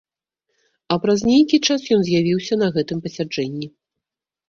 А праз нейкі час ён з'явіўся на гэтым пасяджэнні.